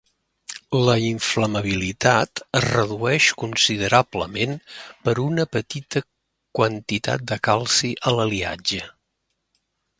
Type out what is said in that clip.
La inflamabilitat es redueix considerablement per una petita quantitat de calci a l'aliatge.